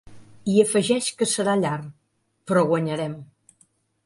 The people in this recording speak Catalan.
I afegeix que serà llar, ‘però guanyarem’.